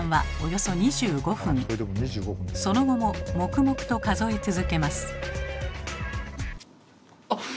その後も黙々と数え続けます。